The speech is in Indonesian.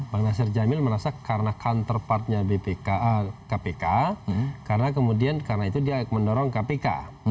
bang nasir jamil merasa karena counterpartnya kpk karena kemudian karena itu dia mendorong kpk